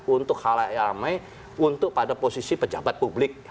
untuk halayak ramai untuk pada posisi pejabat publik